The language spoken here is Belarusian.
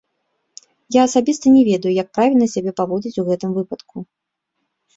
Я асабіста не ведаю, як правільна сябе паводзіць у гэтым выпадку.